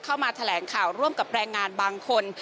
เข้ามาแถลงข่าวร่วมกับแรงงานบางคน